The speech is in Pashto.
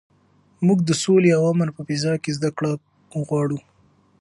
موږ د سولې او امن په فضا کې زده کړه غواړو.